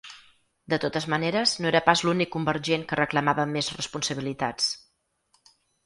De totes maneres, no era pas l’únic convergent que reclamava més responsabilitats.